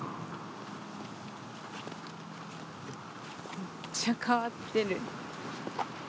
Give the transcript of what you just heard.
むっちゃ変わってる。